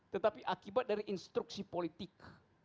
tetapi akibat dari instruksi politik